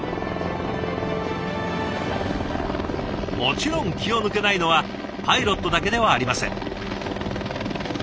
もちろん気を抜けないのはパイロットだけではありません。